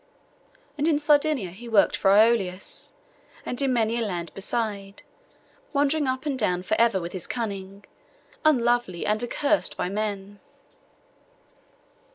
And in Sardinia he worked for Iölaos, and in many a land beside, wandering up and down for ever with his cunning, unlovely and accursed by men.